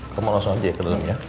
kamu langsung aja ya ke dalam ya